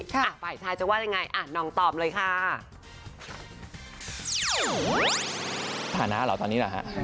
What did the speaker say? หลังไหนฝ่ายชายจะว่าเลยไง